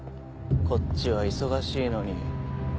こっちは忙しいのに。